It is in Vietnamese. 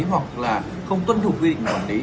hoặc là không tuân thủ quy định quản lý